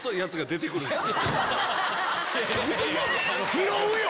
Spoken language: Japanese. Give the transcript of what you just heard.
拾うよ！